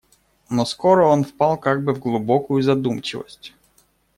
Но скоро он впал как бы в глубокую задумчивость.